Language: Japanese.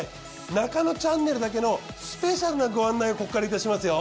『ナカノチャンネル』だけのスペシャルなご案内をここからいたしますよ。